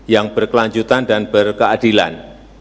yang berkelanjutan dan berkeadilan